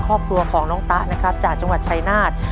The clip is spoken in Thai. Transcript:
คอบตัวของต๊ะนะครับจากจังหวัดชัยนาธ